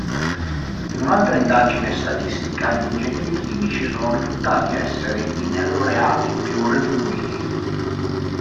In un'altra indagine statistica, gli ingegneri chimici sono risultati essere i neolaureati più retribuiti.